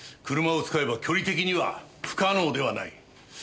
車を使えば距離的には不可能ではない。